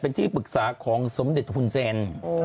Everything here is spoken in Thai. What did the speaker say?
เป็นที่ปรึกษาของสมเด็จหุ่นเซ็น